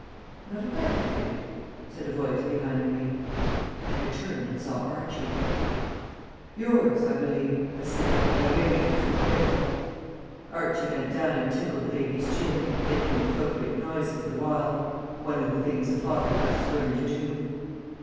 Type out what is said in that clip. "Not a bad kid?" said a voice behind me. I turned and saw Archie. "Yours, I believe," I said, and I waved him to the cradle. Archie bent down and tickled the baby's chin, making appropriate noises the while one of the things a father has to learn to do.